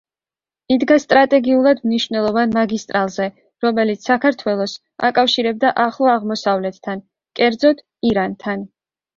იდგა სტრატეგიულად მნიშვნელოვან მაგისტრალზე, რომელიც საქართველოს აკავშირებდა ახლო აღმოსავლეთთან, კერძოდ, ირანთან.